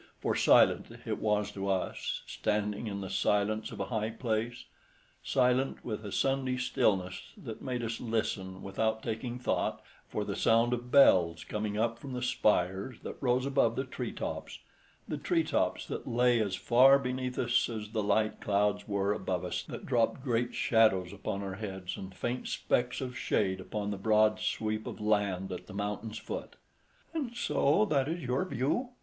For silent it was to us, standing in the silence of a high place—silent with a Sunday stillness that made us listen, without taking thought, for the sound of bells coming up from the spires that rose above the tree tops—the tree tops that lay as far beneath us as the light clouds were above us that dropped great shadows upon our heads and faint specks of shade upon the broad sweep of land at the mountain's foot. "And so that is your view?"